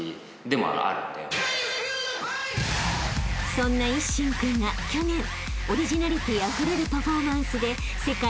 ［そんな一心君が去年オリジナリティーあふれるパフォーマンスで］